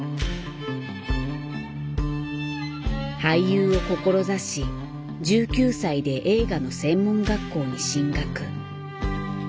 俳優を志し１９歳で映画の専門学校に進学。